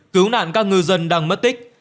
cứu nạn các ngư dân đang mất tích